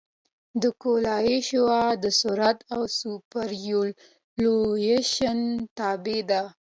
د ګولایي شعاع د سرعت او سوپرایلیویشن تابع ده